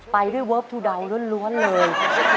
ไปด้วยเวิร์คทูไดล้วนเลย